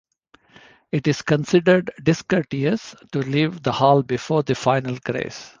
It is considered discourteous to leave the hall before the final grace.